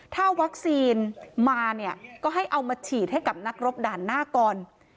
ถ้าวัคซีนมาเนี่ยก็ให้เอามาฉีดให้กับนักรบด่านหน้าก่อน